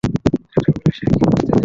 এটা বলে সে কী বোঝাতে চেয়েছিল?